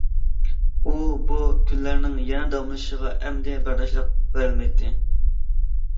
ئۇ بۇ كۈنلەرنىڭ يەنە داۋاملىشىشىغا ئەمدى بەرداشلىق بېرەلمەيتتى.